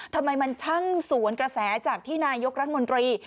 ทำไมมันช่างสวนกระแสจากที่นายกรัฐมนตรี